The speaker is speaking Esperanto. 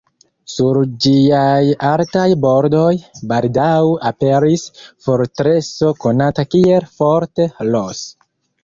Sur ĝiaj altaj bordoj baldaŭ aperis fortreso konata kiel Fort Ross.